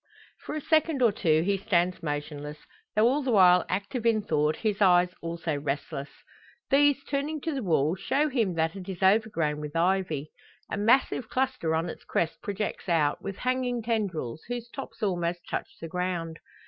For a second or two he stands motionless, though all the while active in thought, his eyes also restless. These, turning to the wall, show him that it is overgrown with ivy. A massive cluster on its crest projects out, with hanging tendrils, whose tops almost touch the ground.